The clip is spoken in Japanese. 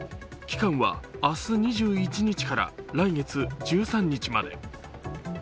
期間は明日２１日から来月１３日まで。